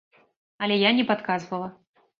Але я не падказвала.